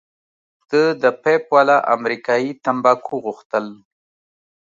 ده د پیپ والا امریکايي تمباکو غوښتل.